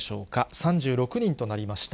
３６人となりました。